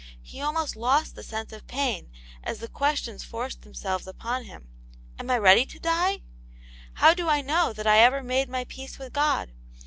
He almost lost the sense of pain as the questions forced themselves upon him, " Am I ready to die? How do I know that I ever made my peace with God?